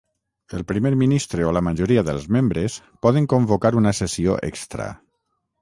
El Primer Ministre o la majoria dels membres poden convocar una sessió extra.